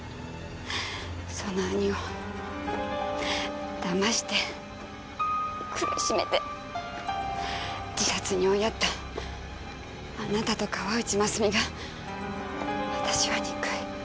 その兄をだまして苦しめて自殺に追いやったあなたと河内ますみが私は憎い。